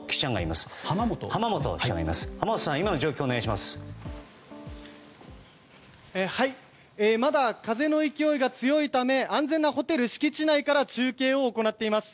まだ風の勢いが強いため安全なホテル敷地内から中継を行っています。